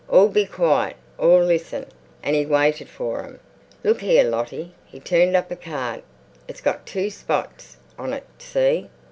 "All be quiet! All listen!" And he waited for them. "Look here, Lottie." He turned up a card. "It's got two spots on it—see?